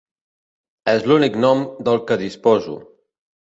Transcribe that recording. És l'únic nom del que disposo.